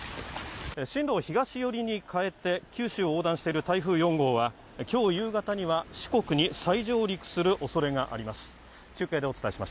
進路を東寄りに変えて九州を横断している台風４号は今日夕方には四国に再上陸するおそれがあります。